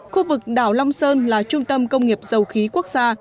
khu vực đảo long sơn là trung tâm công nghiệp dầu khí quốc gia